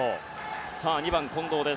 ２番、近藤です。